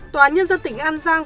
tòa án nhân dân tỉnh an giang